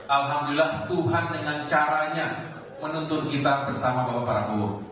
alhamdulillah tuhan dengan caranya menuntut kita bersama bapak prabowo